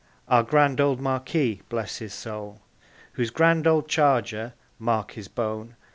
Our grand old Marquis, bless his soul! Whose grand old charger (mark his bone!)